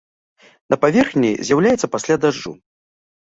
На паверхні з'яўляецца пасля дажджу.